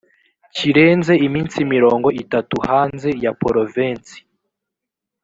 kirenze iminsi mirongo itatu hanze ya porovensi